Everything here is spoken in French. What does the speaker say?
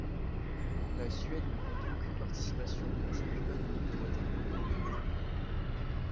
La Suède ne compte aucune participation aux Championnats du monde de water-polo.